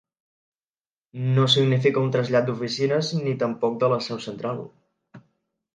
No significa un trasllat d’oficines ni tampoc de la seu central.